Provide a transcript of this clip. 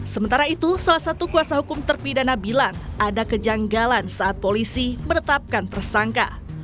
sementara itu salah satu kuasa hukum terpidana bilang ada kejanggalan saat polisi menetapkan tersangka